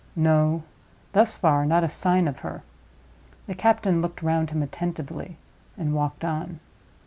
No; thus far, not a sign of her. The captain looked round him attentively, and walked on.